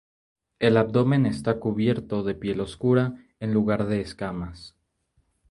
El abdomen está cubierto de piel oscura en lugar de escamas.